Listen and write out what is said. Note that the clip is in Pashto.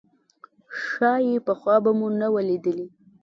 ښايي پخوا به مو نه وه لیدلې.